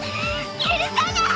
許さない！